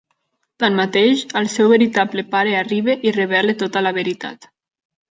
Tanmateix, el seu veritable pare arriba i revela tota la veritat.